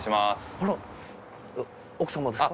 あら奥様ですか？